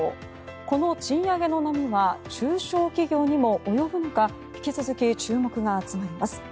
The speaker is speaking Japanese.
この賃上げの波は中小企業にも及ぶのか引き続き注目が集まります。